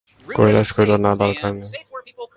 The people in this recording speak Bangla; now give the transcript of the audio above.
কৈলাস কহিল, না, দরকার নেই।